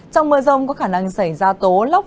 trong mưa rông có khả năng xảy ra tố lốc